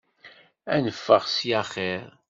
Ad neffeɣ ssya axir!